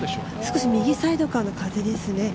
右サイドからの風ですね。